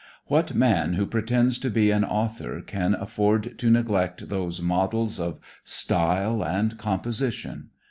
What man who pretends to be an author can afford to neglect those models of style and composition.